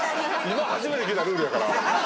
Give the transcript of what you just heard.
今初めて聞いたルールやから。